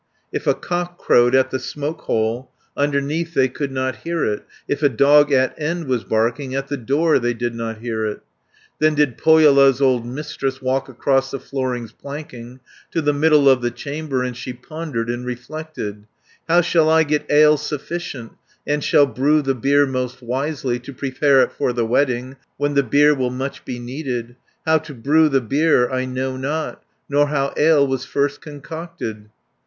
If a cock crowed at the smoke hole, Underneath they could not hear it, If a dog at end was barking, At the door they did not hear it. Then did Pohjola's old Mistress Walk across the flooring's planking, To the middle of the chamber, And she pondered and reflected: 130 "How shall I get ale sufficient, And shall brew the beer most wisely, To prepare it for the wedding, When the beer will much be needed? How to brew the beer I know not, Nor how ale was first concocted."